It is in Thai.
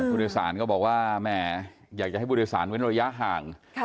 บริษัทก็บอกว่าแหมอยากจะให้บริษัทเว้นระยะห่าง